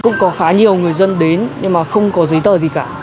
cũng có khá nhiều người dân đến nhưng mà không có giấy tờ gì cả